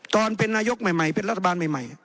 ตอนเป็นนายกใหม่เป็นรัฐบาลใหม่